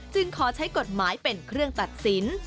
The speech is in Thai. ขอใช้กฎหมายเป็นเครื่องตัดสิน